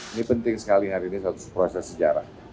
ini penting sekali hari ini proses sejarah